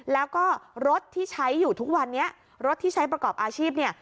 แล้วก็รถที่ใช้อยู่ทุกวันนี้รถที่ใช้ประกอบอาชีพเนี่ย